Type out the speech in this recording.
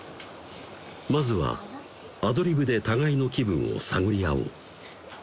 「まずはアドリブで互いの気分を探り合おう」